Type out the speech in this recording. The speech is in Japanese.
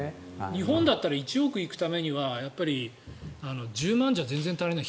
日本だったら１億行くためにはやっぱり１０万じゃ全然足りない。